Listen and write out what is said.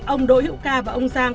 ông đỗ hiệu ca và ông giang